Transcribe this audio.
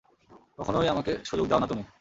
কখনোই আমাকে সুযোগ দাও না তুমি।